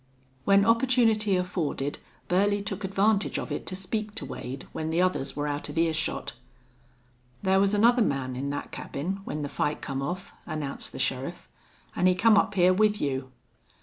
When opportunity afforded Burley took advantage of it to speak to Wade when the others were out of earshot. "Thar was another man in thet cabin when the fight come off," announced the sheriff. "An' he come up hyar with you."